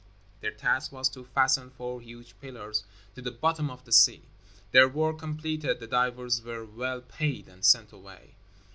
Their task was to fasten four huge pillars to the bottom of the sea. Their work completed, the divers were well paid and sent away.